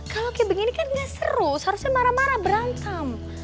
kalau kayak begini kan gak seru seharusnya marah marah berantem